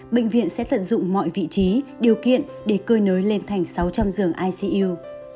bệnh viện sẽ tận dụng mọi vị trí điều kiện để cơi nới lên thành sáu trăm linh giường icu